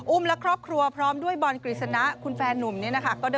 และครอบครัวพร้อมด้วยบอลกฤษณะคุณแฟนนุ่มเนี่ยนะคะ